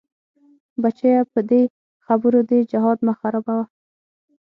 بچيه په دې خبرو دې جهاد مه خرابوه.